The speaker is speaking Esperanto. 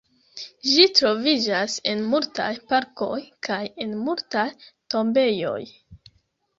Ĝi troviĝas en multaj parkoj kaj en multaj tombejoj.